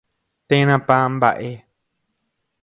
Térãpa mbaʼe.